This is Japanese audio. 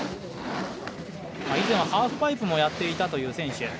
以前はハーフパイプもやっていたという選手。